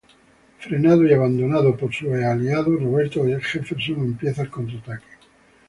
Frenado y abandonado por sus ex aliados, Roberto Jefferson empieza el contraataque.